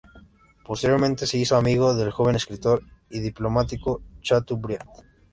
Posteriormente se hizo amigo del joven escritor y diplomático Chateaubriand.